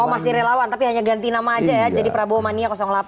oh masih relawan tapi hanya ganti nama aja ya jadi prabowo mania delapan